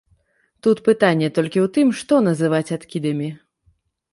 Тут пытанне толькі ў тым, што называць адкідамі.